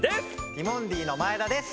ティモンディの前田です。